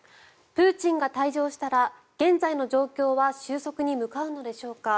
プーチンが退場したら現在の状況は収束に向かうのでしょうか？